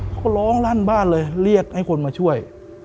เขาร้องลั่นบ้านเลยเรียกให้คนมาช่วย